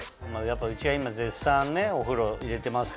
うちは今絶賛ねお風呂入れてますから。